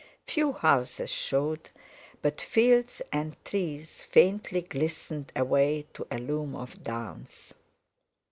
Few houses showed, but fields and trees faintly glistened, away to a loom of downs.